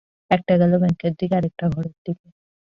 একটা গেল ব্যাঙ্কের দিকে, আর-একটা ঘরের দিকে।